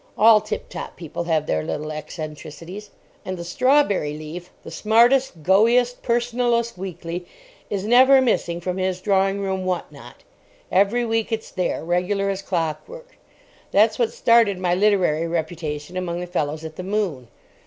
All tip top people have their little eccentricities.) And the Strawberry Leaf, the smartest, goeyest, personalest weekly, is never missing from his drawing room what not. Every week it's there, regular as clockwork. That's what started my literary reputation among the fellows at the "Moon."